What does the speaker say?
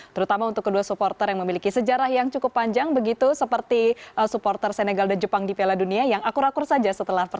terutama untuk kedua supporter yang memiliki sejarah yang cukup panjang begitu seperti supporter